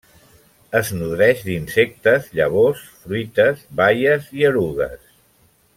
Es nodreix d'insectes, llavors, fruites, baies i erugues.